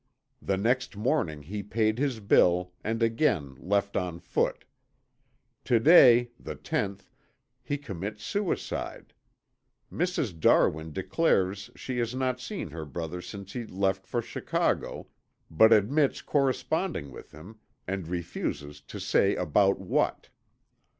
The next morning he paid his bill and again left on foot. To day, the tenth, he commits suicide. Mrs. Darwin declares she has not seen her brother since he left for Chicago, but admits corresponding with him and refuses to say about what.